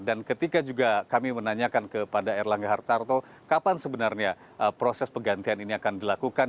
dan ketika juga kami menanyakan kepada erlangga hartarto kapan sebenarnya proses pegantian ini akan dilakukan